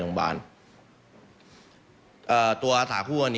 ฟังเสียงอาสามูลละนิทีสยามร่วมใจ